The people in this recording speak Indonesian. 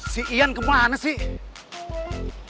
si ian kemana sih